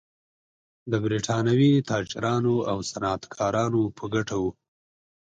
د برېټانوي تاجرانو او صنعتکارانو په ګټه و.